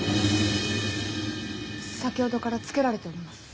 先ほどからつけられております。